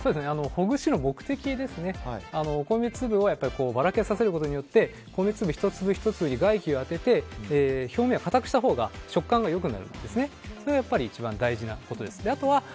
ほぐしの目的ですねお米粒をばらけさせることによって米粒１粒１粒に外気を当てて表面を硬くしたほうが食感がよくなるので一番大事なことです。